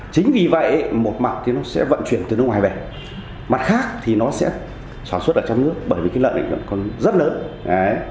chính vì vậy một mạng thì nó sẽ vận chuyển từ nước ngoài về mặt khác thì nó sẽ xóa xuất ở trong nước bởi vì cái lợn còn rất lớn